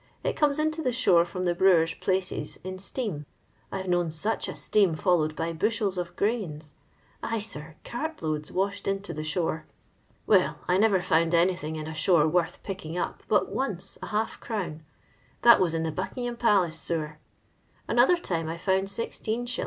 It comes into the shore froa the brewers' places in steam. I *vc known luch a steam followed by bushels of grains ; ay, sir, cart loads washed into the shore. "Well, I never found anything in a jtAow worth picking up but once a half crown. That was in the Buckingham Palace sewer. Anotba time I found IQs.